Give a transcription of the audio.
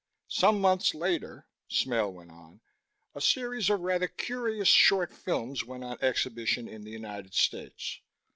"Some months later," Smale went on, "a series of rather curious short films went on exhibition in the United States.